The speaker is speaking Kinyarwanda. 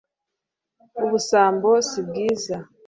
ubusambo si bwiza